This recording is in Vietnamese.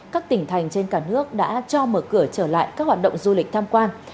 các tỉnh thành trên cả nước đã cho mở cửa trở lại các hoạt động du lịch tham quan